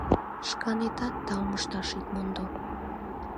— Шканетат таум ышташ ит мондо.